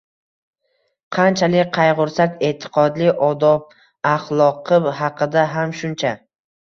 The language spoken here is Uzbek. qanchalik qayg‘ursak, e’tiqodi, odob-axloqi haqida ham shuncha